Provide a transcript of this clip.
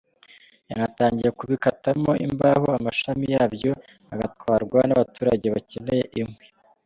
Yanatangiye kubikatamo imbaho, amashami yabyo agatwarwa n’abaturage bakeneye inkwi.